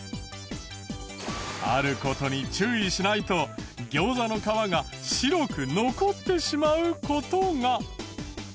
ある事に注意しないとギョウザの皮が白く残ってしまう事が。